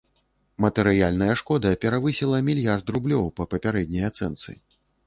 Матэрыяльная шкода перавысіла мільярд рублёў па папярэдняй ацэнцы.